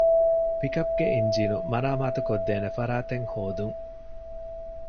ޕިކަޕްގެ އިންޖީނު މަރާމާތު ކޮށްދޭނެ ފަރާތެއް ހޯދުން